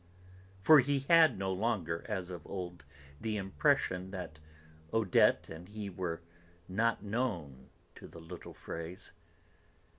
For he had no longer, as of old, the impression that Odette and he were not known to the little phrase.